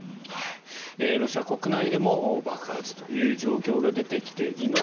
ロシア国内でも爆発という状況が出てきています。